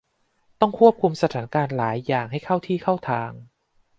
ต้องควบคุมสถานการณ์หลายอย่างให้เข้าที่เข้าทาง